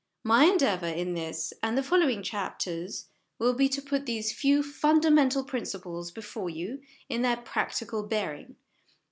My endeavour in this and the following chapters will be to put these few fundamental principles before you in their practical bearing.